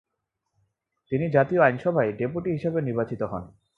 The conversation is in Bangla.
তিনি জাতীয় আইনসভায় ডেপুটি হিসেবে নির্বাচিত হন।